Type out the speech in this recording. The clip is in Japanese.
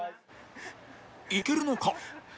いけるのか？